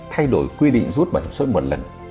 thay đổi quy định rút bảo hiểm xã hội một lần